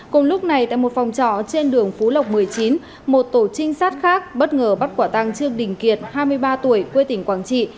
cùng lúc này tại một phòng trọ trên đường phú lộc một mươi chín một tổ trinh sát khác bất ngờ bắt quả tăng trương đình kiệt hai mươi ba tuổi quê tỉnh quảng trị